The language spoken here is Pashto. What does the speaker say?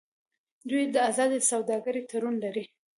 دوی د ازادې سوداګرۍ تړون لري.